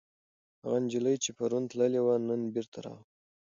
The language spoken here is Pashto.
هغه نجلۍ چې پرون تللې وه، نن بېرته راغله.